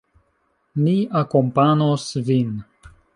Mi akompanos vin.